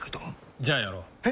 じゃあやろう。え？